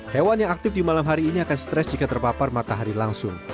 hewan yang aktif di malam hari ini akan stres jika terpapar matahari langsung